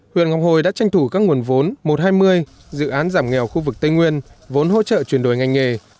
huyện ngọc hồi đã tranh thủ các nguồn vốn một trăm hai mươi dự án giảm nghèo khu vực tây nguyên vốn hỗ trợ chuyển đổi ngành nghề